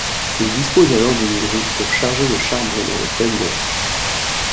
Il dispose alors d'une grue pour charger le charbon dans les tenders.